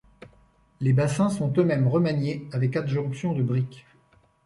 Les bassins sont eux-mêmes remaniés avec adjonction de briques.